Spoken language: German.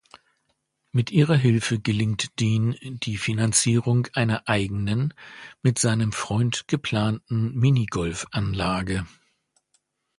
Mit ihrer Hilfe gelingt Dean die Finanzierung einer eigenen, mit seinem Freund geplanten Minigolf-Anlage.